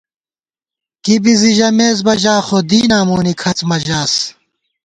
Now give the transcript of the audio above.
کی بی زِی ژَمېس بہ ژا خو ، دیناں مونی کھڅ مہ ژاس